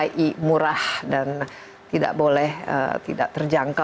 i murah dan tidak boleh tidak terjangkau